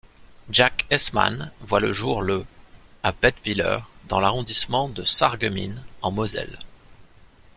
Jacques Hessemann voit le jour le à Bettviller, dans l'arrondissement de Sarreguemines en Moselle.